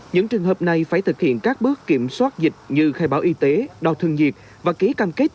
những trường hợp này phải thực hiện các bước kiểm soát dịch như khai báo y tế đo thương nhiệt